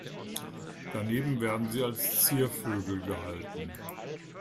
Daneben werden sie als Ziervögel gehalten.